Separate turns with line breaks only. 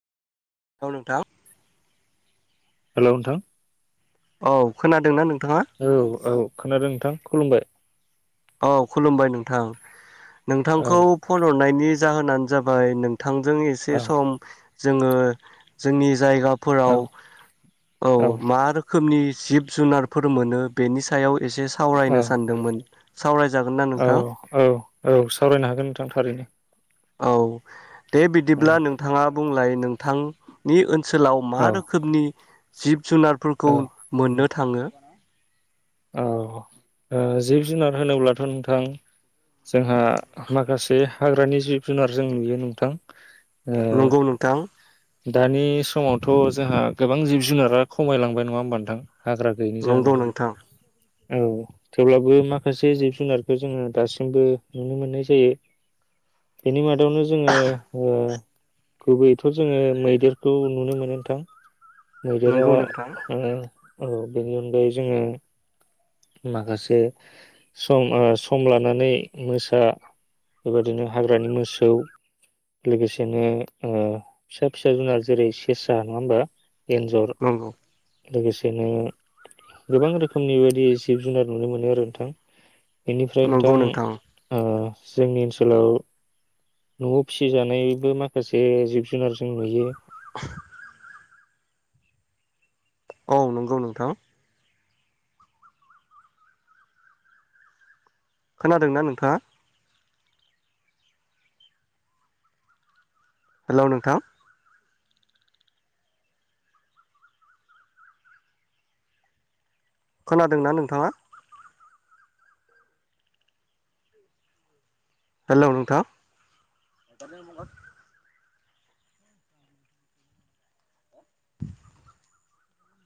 औ नोंथां।
हेलौ नोंथां।
औ खोनादों ना नों?
औ औ खोनादों नोंथां। खुलुमबाय।
औ खुलुमबाय नोंथां।
औ
नोंथांखौ फन हरनायनि जाहोनानो जाबाय नों थांजों एसे
औ
सम जोङो जोंनि जायगा फोराव
औ
औ मा रोखोमनि जिब जुनारफोर मोनो बेनि सायाव एसे
औ
सावरायनो सानदोंमोन सावरायजागोन ना
औ
नोंथां
औ औ सावरायनो हागोन नोंथां थारैनो
औ दे
औ
बिदिब्ला नोंथाङा बुंलाय नों थांनि ओ सोलाव मा
औ
रोखोमनि जिब जुनारफोरखौ
औ
मोननो थाङो
औ ओ जिब जुनार होनोब्लाथ' नोंथां जोंहा माखासे हाग्रानि जिब जुनार जों नुयो नोंथां ओ
नंगौ नोंथां
दानि समावथ' जोंहा गोबां जिब जुनारा खमायलांबाय नङा होमबा नोंथां? हाग्रा गैयैनि
नंगौ
जाहोनाव
नोंथां
औ थेवब्लाबो माखासे जिब जुनारखौ जोङो दासिमबो नुनो मोननाय जायो बेनि मादावनो जोङो ओ गुबैयैथ' जोङो मैदेरखौ नुनो मोनो नोंथां मैदेरा
नंगौ नोंथां
ओ औ बेनि अनगायै जोङो माखासे सम सम लानानै मोसा बेबादिनो हाग्रानि मोसौ लोगोसेनो ओ फिसा फिसा जुनार जेरै सेेरसा नङा होमबा? एनजर
नंगौ
लोगोसेनो गोबां रोखोमनि बायदि जिब जुनार नुनो मोनो आरो नोंथां बेनिफ्राय नोंथां ओ जोंनि ओनसोलाव नवाव फिसिजानायबो माखासे जिब जुनार जों नुयो।
औ नंगौ नोंथां खोनादोंना नोंथाङा? हेलौ नोंथां खोनादोंना नोंथाङा? हेलौ नोंथां।